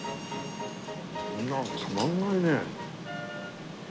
こんなのたまんないね。